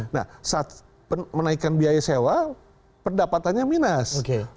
nah saat menaikkan biaya sewa pendapatannya minus